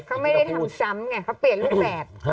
เขาไม่ได้ทำซ้ำไงเขาเปลี่ยนรูปแบบ